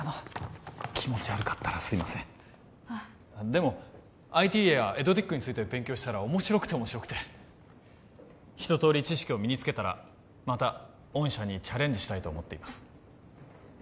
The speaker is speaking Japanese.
でもＩＴやエドテックについて勉強したら面白くて面白くて一とおり知識を身につけたらまた御社にチャレンジしたいと思っています